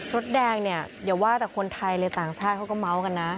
รถแดงเนี่ยอย่าว่าแต่คนไทยเลยต่างชาติเขาก็เมาส์กันนะ